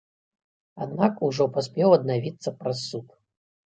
Аднак, ужо паспеў аднавіцца праз суд.